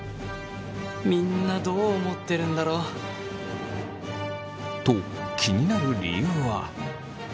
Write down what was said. みんなどう思ってるんだろう？と気になる理由は。